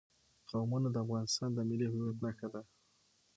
قومونه د افغانستان د ملي هویت نښه ده.